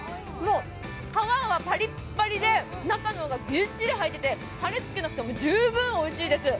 皮はパリッパリで、中の身がギュッギュッ入ってて、たれつけなくても十分おいしいです。